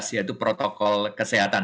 yaitu protokol kesehatan